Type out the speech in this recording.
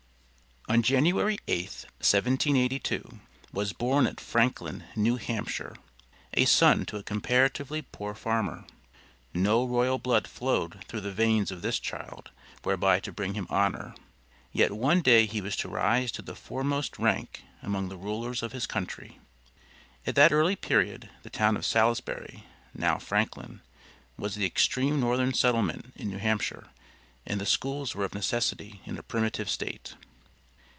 On January 8th, 1782, was born at Franklin, New Hampshire, a son to a comparatively poor farmer. No royal blood flowed through the veins of this child whereby to bring him honor, yet one day he was to rise to the foremost rank among the rulers of his country. At that early period the town of Salisbury, now Franklin, was the extreme northern settlement in New Hampshire, and the schools were of necessity in a primitive state.